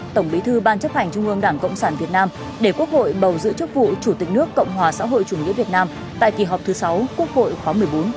tổng bí thư ban chấp hành trung ương đảng cộng sản việt nam để quốc hội bầu giữ chức vụ chủ tịch nước cộng hòa xã hội chủ nghĩa việt nam tại kỳ họp thứ sáu quốc hội khóa một mươi bốn